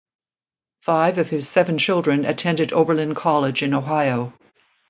Five of his seven children attended Oberlin College in Ohio.